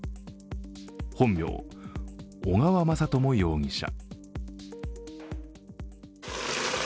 本名、小川雅朝容疑者。